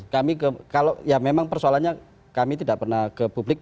kami kalau ya memang persoalannya kami tidak pernah ke publik